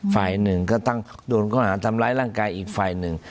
ฝ่ายหนึ่งก็ต้องโดนข้อหาทำร้ายร่างกายอีกฝ่ายหนึ่ง